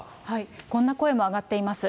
こんな声も上がっています。